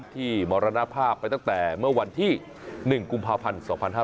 มรณภาพไปตั้งแต่เมื่อวันที่๑กุมภาพันธ์๒๕๕๙